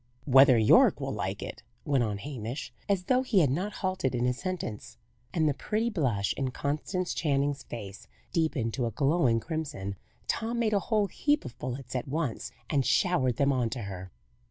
" Whether Yorke will like it," went on Hamish, as though he had not halted in his sentence. And the pretty blush in Constance Channing's face deepened to a glowing crimson. Tom made a whole heap of bullets at once, and showered them on to her.